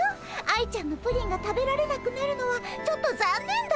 愛ちゃんのプリンが食べられなくなるのはちょっとざんねんだよ。